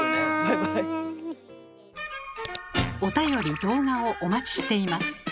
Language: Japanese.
おたより・動画をお待ちしています。